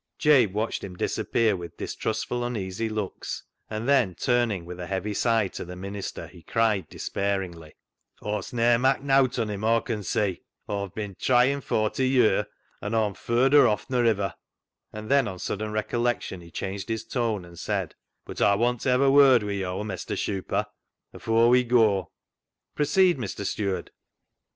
Jabe watched him disappear with distrustful, uneasy looks, and then, turning with a heavy sigh to the minister, he cried despairingly —" Aw'st ne'er mak' nowt on him, Aw con see. Aw've bin trying forty ye'r, an' Aw'm furder off nor ivver !" and then on sudden recollection he changed his tone and said, " But Aw want ta hev a word wi' yo', Mestur Shuper, afoor we goa." " Proceed, Mr. Steward."